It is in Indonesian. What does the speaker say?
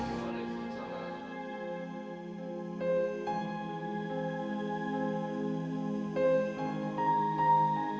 aku akan membantu dia